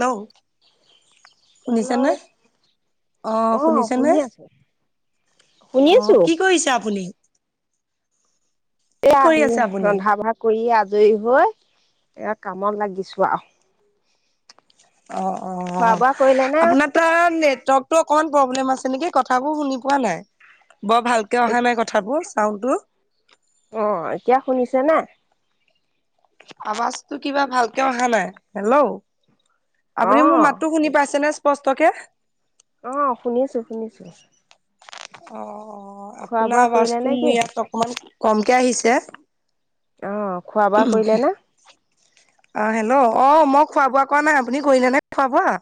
ন hello শুনিছানে অ' শুনিছানে? শুনি আছো শুনি অ' আছো কি কৰিছে আপুনি? কি এয়া কৰি আহি আছে আপুনি? ৰন্ধা ভৰা কৰি আ জয়ী হৈ এয়া কামত লাগিছো আৰু। অ অ অ খোৱা বোৱা কৰিলে নে আপোনাৰ তাৰ নে নেটৱৰ্কটো অকণমান প্ৰব্লেম আছে নেকি কথাবোৰ শুনি পোৱা নাই, বৰ ভালকে অহা নাই কথাবোৰ। চাওনটো। অ এতিয়া শুনিছে ন আৱাজতটো কিবা ভালকে অহা নাই হেল্ল' অ আপুনি মোৰ মাতো শুনি পাইছেনে স্পষ্টকে। আহ শুনিছোঁ শুনিছোঁ। অ' অ' আপোনাৰ কৰিলে নে আৱাজটো কি মোৰ ইয়াত অকমান কমকে আহিছে। আহ খোৱা বোৱা কৰিলে না? অ' হেল্ল' অ', মই খোৱা বোৱা কোৱা নাই আপুনি কৰিলে নাই খোৱা বোৱা?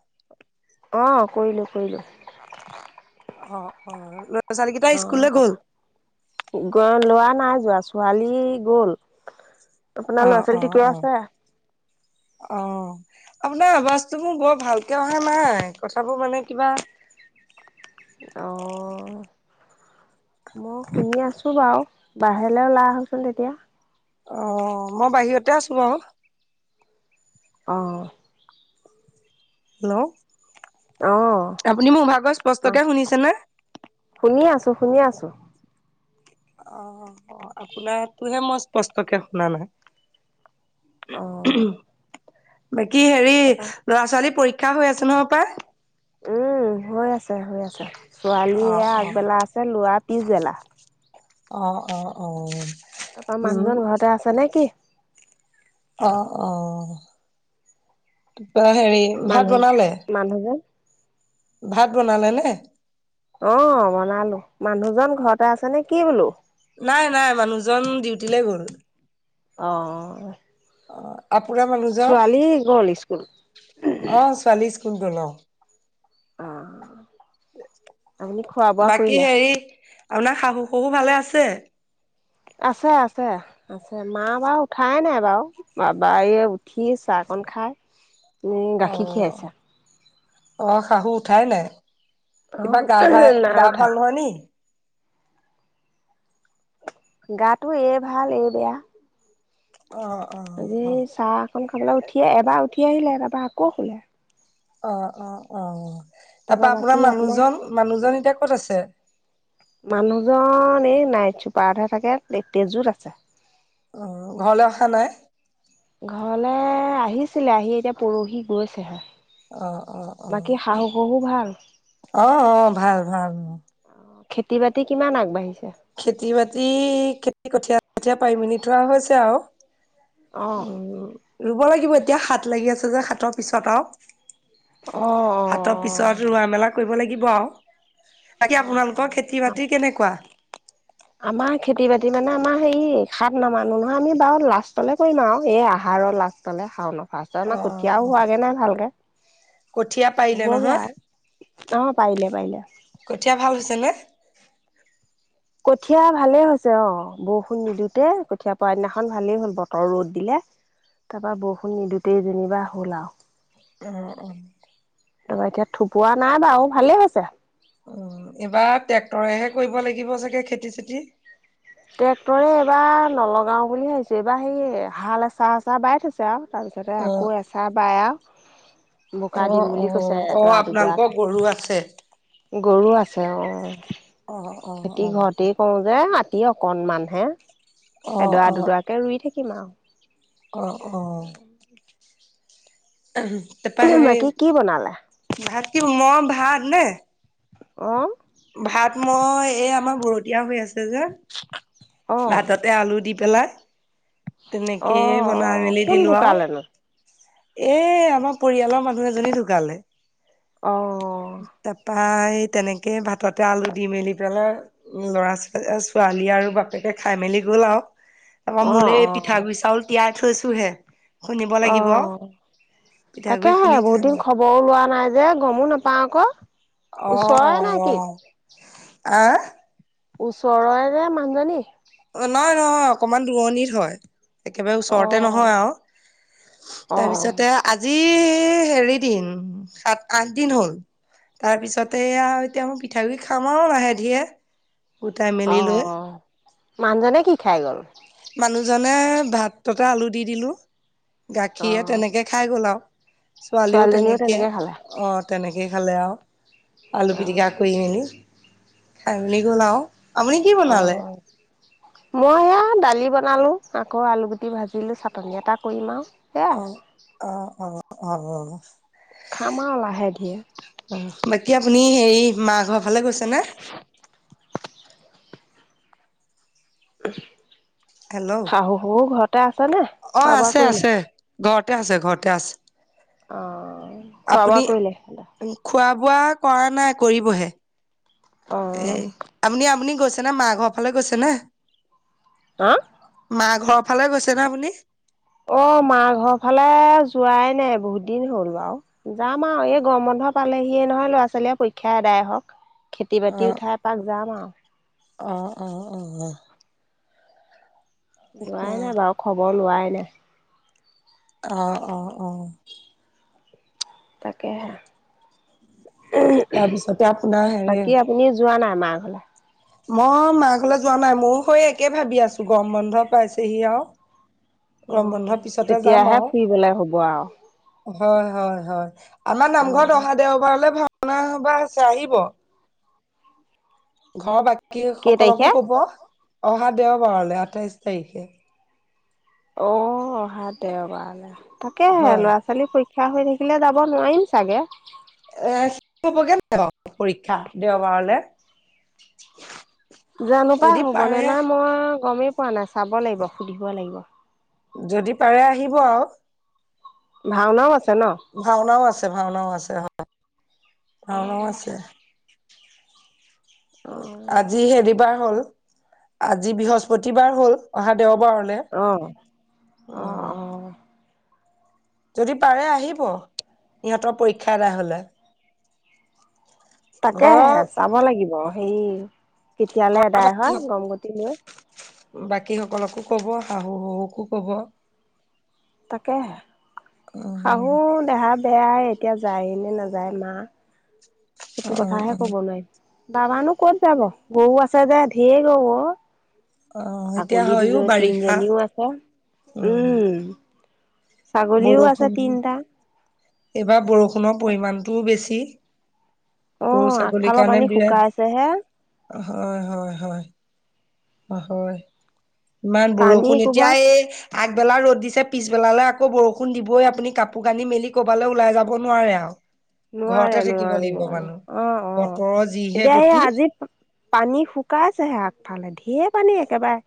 অ কৰিলোঁ কৰিলোঁ। অ' অ'। ছোৱালী কেইটা [unintelligible] স্কুললৈ গ'ল? নাই যোৱা ছোৱালী গ'ল আপোনাৰ অ' ল'ৰা ছোৱালী অ' থিকে অ' আছে? [inaudible] অ' আপোনাৰ আৱাজটো মোৰ বৰ ভালকে অহা নাই কথাবোৰ মানে কিবা অ' মই শুনি আছো বাৰু। বাহিৰলৈ ওলাই আহকচোন তেতিয়া। অ' মই বাহিৰতে আছো বাৰু। আহ। হেল্ল'। অ আপুনি মোৰভাগৰ মা স্পষ্টকে শুনিছে নে? শুনি আছো শুনি আছোঁ। অ' অ' আপোনাতোহে মই স্পষ্টকে শুনা নাই। অ বাকী হেৰি তাৰপা ল'ৰা ছোৱালী পৰী ক্ষা হৈ আছো ন হপাই। উম হৈ আছে হৈ আছে। ছোৱালী অ অ আগবেলা আছে ল'ৰাৰ পিছবেলা। অ', অ, অ। তাৰপৰা উম মানুহজন ঘৰতে আছে নেকি? অ', অ', তাপা হেৰি ভাত মানুহ বনালে? মানুহজন ভাত বনালেনে? অহ, বনালো। মানুহজন ঘৰতে আছে নেকি বোলো? নাই নাই, মানুহজন ডিউটিলে গল। অহ। আপোনাৰ মানুহজন, গ'ল স্কুল অ', ছোৱালী স্কুল গল অহ। অহ। বাকী হেৰি, আপোনাৰ শাহু শহু ভালে আছে? আছে আছে, আছে। মা বাৰু উঠাই নাই বাৰু, বাবা এই উঠি চাহ কন খাই উ অ গাখীৰ খীৰাইছে। অ', শাহু উঠাই নাই, অ কিবা গা ভাই নাই গা উঠা ভাল নহয় নেকি? গাটো এই ভাল এই বেয়া। অ অ আজি চাহ অকন খাবলৈ উঠি, এবাৰ উঠি আহিলে, তাৰ পৰা আকৌ শুলে। অ', অ', অ'। তাৰ তাৰপৰা পৰা বাকী আপোনাৰ মানুহজন, মানুহজন এতিয়া ক'ত আছে? নাইতচোপাত হে থাকে, তেজোত আছে। অ', ঘৰলৈ অহা নাই? ঘৰলে আহিছিলে, আহি এতিয়া পৰহি গৈছেহে। অ', অ', বাকী অ'। শাহু শহু ভাল? অহ অহ, ভাল ভাল। উম। খেতি বাতি কিমান আগবাঢ়িছে? খেতি বাতি খেতি কঠীয়া কঠীয়া পাৰি মেলি থোৱা হৈছে আৰু। অহ। উম ৰুব লাগিব, এতিয়া সাত লাগি আছে যে সাতৰ পিছত আৰু। অ', অ', সাতৰ পিছত ৰোৱা মেলা কৰিব লাগিব আৰু, বাকী অ', আপোনালোকৰ খেতি অ'। বাতি কেনেকুৱা? আমাৰ খেতি বাতি মানে, আমাৰ হেৰি সাত নামানো নহয় আমি বাৰু লাষ্টলে কৰিম আৰু এই আহা আহাৰৰ লাষ্টলে, শাওনৰ ফাৰ্ষ্টলে, আমাৰ অ', কঠীয়াও অ হোৱাগে নাই ভালকে। কঠীয়া পাৰিলে হ'বগে নহয়, আৰু। অ', পাৰিলে পাৰিলে। কঠীয়া ভাল হৈছে নে? কঠীয়া ভালে হৈছে অহ, বৰষুণ নিদিওঁতে কঠীয়া পৰা দিনাখন ভালেই হ'ল বতৰ ৰ'দ দিলে। তাৰ পৰা বৰষুণ নিদোতেই যেনিবা হ'ল আৰু। উম, উম। তাৰপৰা এতিয়া থোপোৱা নাই বাৰু ভালেই হৈছে। উম, এইবাৰ ট্ৰেক্টৰেহে কৰিব লাগিব চাগে খেতি চেতি? ট্ৰেক্টৰে এইবাৰ নলগাও বুলি ভাবিছো, এইবাৰ হেৰি হাল এচাহ এচাহ বাই থৈছে আৰু। তাৰপিছতে অ'। আকৌ এচাহ বায় আৰু। বোকা দিম অ', বুলি কৈছে অ', অ', এদৰা আপোনালোকৰ দুদৰাকে। গৰু আছে। গৰু আছে অহ। অ', অ', খেতি অ', ঘৰতেই কৰো যে, মাতি অকনমান হে। অ', এডৰা দুডৰাকেই ৰুই থা কিম আৰু। অঁ, অঁ। তাৰপা আৰু হে, বাকী কি বনালে মই ভাত নে? অহ। ভাত মই এই আমাৰ বৰতিয়া হৈ আছে যে, অ অ ভাততে আলু দি পেলাই, অ তেনেকেই বনাই মেলি কোন দিলো আৰু। ঢুকালেনো এ আমাৰ পৰিয়ালৰ মানুহ এজনী ঢুকালে, অ', তাৰ পৰা তে ভাততে আলু দি মেলি পেলাই, ল'ৰা ছোৱাল ছোৱালী আৰু বাপেকে খাই মেলি গ'ল আৰু। তাৰপৰা অ', মোলৈ অ', পিঠাগুৰি চাউল তিয়াই থৈছো হে। অ', পিঠাগুৰি তাকেহে খুন্দি বহুত খাম দিন আৰু খবৰো লোৱা নাই। যে গমো নাপাওঁ আক'। অ', অ'। আ? ওচৰয়েৰে মানুহজনী। নহয়, নহয়, অকমান দূৰণিৰ হয়। একেবাৰে ওচৰতে অ', নহয় আৰু, অ', তাৰপিছতে আজি এ, হেৰি দিন সাত আঠ দিন হ'ল। তাৰপিছতে আৰু এতিয়া মই পিঠাগুড়ি খাম আৰু লাহে ধীৰে। গোটাই মেলি লৈ। অ', মানুহজনে কি খাই গ'ল? মানুহজনে ভাততে আলু দি দিলো। গাখীৰে অ'। তেনেকে খাই গ'ল আৰু। ছোৱালীও ছোৱালীজনীও তেনেকে, খালে, অত তেনেকে খালে আৰু, আলু পিটিকা অ', কৰি মেলি। খাই মেলি গ'ল আৰু। আপুনি কি বনালে অ', মই এয়া দালি বনালো, আকৌ আলুগুটি ভাজিলো, চাটনি এটা কৰিম আৰ। অ', অ', অ', অ'। খাম আৰু লাহে ধিৰে। উম, বাকী আপুনি হেৰি মা ঘৰৰ ফালে গৈছেনে? হেল্ল' শাহু শহু ঘৰত। অ', আছে আছে। ঘৰতে আছে, ঘৰতে আছে। অ', খোৱা বোৱা আপুনি কৰিলে? উম, খোৱাব পোৱা কৰা নাই কৰিবহে। এই, অ', আপুনি আপুনি গৈছে মা ঘৰৰ ফালে গৈছেনে? হা? মা ঘৰৰ ফালে গৈছেনে আপুনি? অ' মাৰ ঘৰ ফালে যোৱাই নাই বহুত দিন হ'ল বাৰু। যাম আৰু এই গৰম বন্ধ পালেহিয়ে নহয় ল'ৰা ছোৱালীয়ে পৰীক্ষা এডায় হওঁক। খেতি অ বাতি উঠাই পাক যাম আৰু। অ', অ', অহ। যোৱায়ে নাই বাৰু খবৰ লোৱাই নাই। আ, অ', অ'। তাকেহে। তাৰপিছতে আপোনাৰ হেৰি বাকী আপুনি যোৱা নাই- মা ঘলে। মই মা ঘলে যোৱা নাই মোৰ হৈ একে ভাবি আছো গৰম বন্ধ পাইছেহি আৰু। গৰম বন্ধৰ অ', পিছতে যাম তেতিয়াহে আৰু। ফুৰিবলে হ'ব আৰু। হয়, হয়, হয়। আমাৰ নামঘৰত অ' অহা দেওবাৰলৈ ভাওনা সবা আছে আহিব। ঘৰৰ বাকী কেই সকলকো তাৰিখে? ক'ব অহা দেওবাৰলে আঠাইশ তাৰিখে। অ' অহা দেওবাৰলে, তাকেহে হয়, ল'ৰা ছোৱালী পৰীখ- কাঁহ হৈ থাকিলে যাব নোৱাৰিম চাগে। এছ হ'বগে [unintelligible] পৰীক্ষা দেওবাৰলে? জানো পা যদি হ'বনে পাৰে নাই মই গমে পোৱা নাই চাব লাগিব সুধিব লাগিব। যদি পাৰে আহিব আৰু। ভাওনাও আছে ন? ভাওনাও আছে, ভাওনাও আছে, হয় ভাওনাও অ', আছে। অ', আজি হেৰিবাৰ হল। আজি বৃহস্পতিবাৰ হল। অহা দেওবাৰ হলে। অ', উম। অ', যদি পাৰে আহিব। ইহঁতৰ পৰীক্ষা এডাই হ'লে। তাকেহে ঘৰৰ চাব লাগিব হেৰি কেতিয়ালৈ ঘৰৰ এদাই বাকী হয় গম গতি লৈ। বাকী সকলকো ক'ব, শাহু শহুকো ক'ব। তাকেহ শাহু উম দেহাদ বেয়া এতিয়া যায়ে নে নাযায় মা, অ সেইটো কথাহে অ ক'ব নোৱাৰিম। দানা নো ক'ত যাব। গৰু আছে যে ঢেৰ গৰু অ'। অ এতিয়া ছাগলী হয়ো দুজন, বাৰিষা তিনিজনীও আছে উম ছাগলীও আছে বৰষুণ তিনটা এইবাৰ বৰষুণৰ পৰিমণটোও বেছি গৰু অ', ছাগলীৰ আগফালৰ কৰণে পানী শুকাইছেহে বিয়াত হয় হয় হয় হয় ইমান পানী বৰষুণ এতিয়া কোবত এই আগবেলা ৰ'দ দিছে পিছবেলালে আকৌ বৰষুণ দিবই আপুনি কাপোৰ কানি মেলি কবালৈ ওলাই যাব নোৱাৰে আৰু ঘৰতে নোৱাৰে থাকিব নোৱাৰো লাগিব মানুহ নোৱাৰো অ অ বতৰৰ যিহে এতিয়া সেই গতি আজি পানী শুকাইছেহে আগফালে ধে পানী একেবাৰে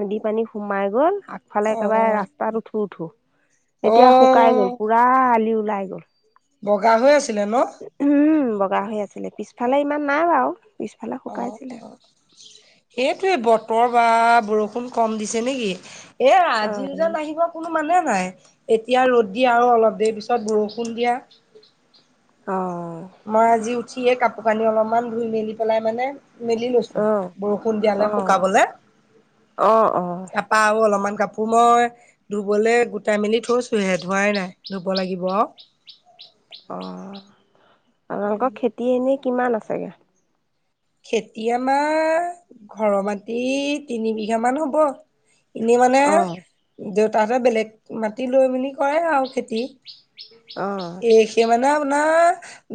নদী পানী সোমাই গ'ল। আগফালে অ একেবাৰে ৰাস্তাত উঠো উঠো, এতিয়া শুকাই গল অ পুৰা আলি উঠ ওলাই গল বগা হৈ আছিলে ন উম বগা হৈ আছিলে পিছফালে ইমান নাই বাও অ অ সেইটোৱেই বতৰ বা বৰষুণ কম দিছে নেকি এ আজিও অ', যেনাহিব কোনো মানে নাই এতিয়া ৰ'দ দিয়া আৰু অলপ দেৰি পিছত বৰষুণ দিয়া। অ', মই আজি উঠিয়ে কাপোৰ কানি অলপমান ধুই মেলি পেলাই মানে মেলি লৈছো অ', বৰষুণ দিয়ালে অ', শুকাবলে অ', অ', তাপা আও অলপমান কাপোৰ মই ধুবলৈ গোটাই মেলি থৈছোহে ধোৱাই নাই ধুব লাগিব আও অ আপনালোকৰ খেতি‌ এনে কিমান আছেগে খেতি আমাৰ ঘৰৰ মাটি তিনি বিঘামান হব। এনেই মানে অ', দেউতাহতে বেলেগ মাটি লৈ মেলি কৰে আৰু খেতি অ', এ খে মানে আপোনাৰ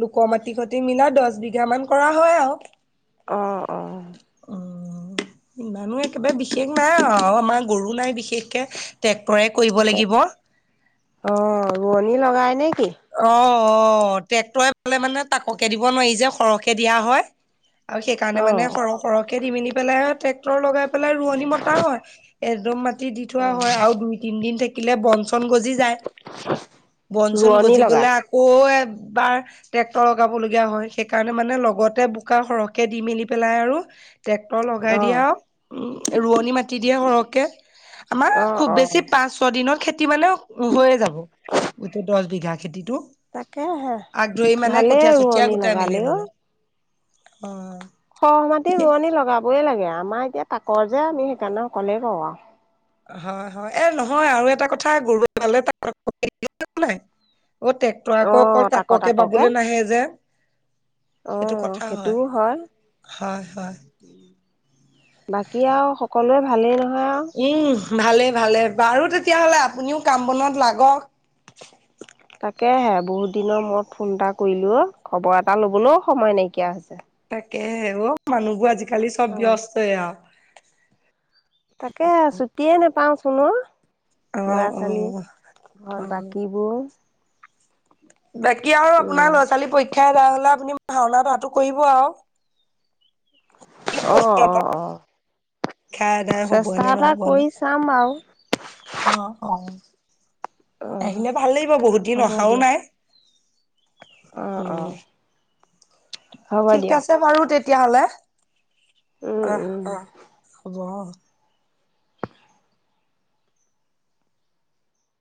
লোকৰ মাটি খতি মিলাই দছ বিঘা মান কৰা হয় আৰু অ অ অ ইমানো একেবাৰে বিশেষ নাই আও আমাৰ গৰু নাই বিশেষকে তয়ে কৰিব লাগিব অ বনী লগাই নি অ অ ট্ৰেক্টৰে কলে মানে তাক'কে দিব নোৱাৰি যে সৰহকে দিয়া হয় আৰু সেইকাৰণে মানে অ', সৰহ সৰহকে দি মেলি পেলাই ট্ৰেক্টৰ লগাই পেলাই ৰোৱনী মতা হয় এযো মাটি দি থোৱা হয় অ', আৰু দুই তিন দিন থাকিলে বঞ্চ বন গজি যায়, বন চন ৰোৱনী -গজি গলে লগাই আকৌ এ বাৰ ট্ৰেক্টৰ লগাব লগীয়া হয়, সেইকাৰণে মানে লগতে বোকা সৰহকে দি মেলি পেলাই আৰু ট্ৰেক্টৰ লগাই অ'। দিয়ে আৰু উ ৰোৱনী মাতি দিয়ে সৰহকে আমাৰ অ', খুব বেছি অ', পাঁচ -ছয় দিনত খেতি মানে হৈয়ে যাব গোটেই দহ বিঘা খেতিতটো তাকেহে আগ ধৰি মানে ভালেই কঠীয়া- চঠীয়া ৰোৱনী গোটাই মেলি লগালেও ললে অ খহ মাটি ৰোৱনী লগাবই লাগে আমাৰ এতিয়া তাকৰ যে আমি সেইকাৰণে অকলেই কওঁ আও হয় হয় এ নহয় আৰু এটা কথা গৰুলে ত [inaudible] অ ট্ৰেক্টৰ আকৌ অ', অকল তাকৰ তাককে বাবলৈ নাহে যে সেইটো আহ কথা সেইটোও হয়। হয় হয় বাকী আও সকলোৱে ভালেই নহয় আৰু উম ভালে ভালে বাৰু তেতিয়াহ'লে আপুনিও কাম বনত লাগক তাকেহে বহুত দিনৰ মূৰত ফোন এটা কৰিলো অ খবৰ এটা লবলৈও সময় নাইকিয়া হৈছে। তাকে অ মানুহবোৰ আজিকালি চব অ', ব্যস্তই আৰু তাকে ছুটিয়ে নোপাওঁ চোন ও অ লৰা অ ছোৱালী অ ঘৰত বাকীবোৰ বাকী আৰু আপোনাৰ উম, ল'ৰা ছোৱালী পৰীক্ষাই এা হলে আপুনি ভাওনাটোটো কৰিব আৰু। অ অ পৰীক্ষা অ আদায় হবই চেষ্টা নে এটা নহব নে কৰি চাম আৰু। অ অ অ', আহিলে ভালেই বাৰু, বহুত দিন অহাও নাই। অহ, অ। উম, হ'ব ঠিক দিয়ক। আছে বাৰু তেতিয়াহলে। উম, আহ, উম। আহ হব।